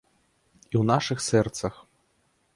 І ў нашых сэрцах.